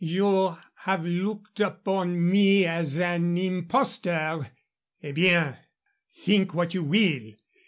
You have looked upon me as an impostor. Eh bien. Think what you will.